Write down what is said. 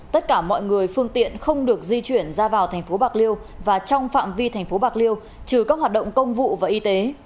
tất cả mọi người phương tiện không được di chuyển ra vào thành phố bạc liêu và trong phạm vi thành phố bạc liêu trừ các hoạt động công vụ và y tế